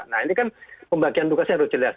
nah ini kan pembagian tugasnya harus jelas